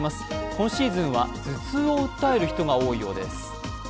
今シーズンは頭痛を訴える人が多いようです。